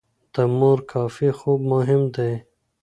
د مور کافي خوب مهم دی.